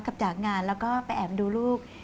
กลับจากงานแล้วก็ไปแอบดูลูก